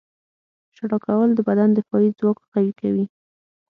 • ژړا کول د بدن دفاعي ځواک قوي کوي.